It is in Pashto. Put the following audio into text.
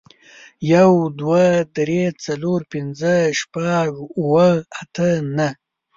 يو، دوه، درې، څلور، پينځه، شپږ، اووه، اته، نهه